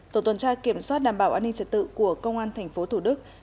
tổ tuần tra kiểm soát đảm bảo an ninh trật tự của công an tp hcm